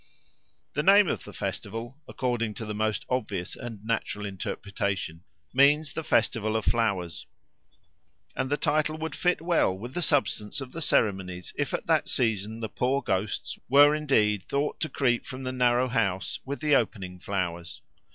The name of the festival, according to the most obvious and natural interpretation, means the Festival of Flowers, and the title would fit well with the substance of the ceremonies if at that season the poor ghosts were indeed thought to creep from the narrow house with the opening flowers.